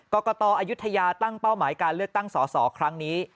กตอายุทยาตั้งเป้าหมายการเลือกตั้งสอสอครั้งนี้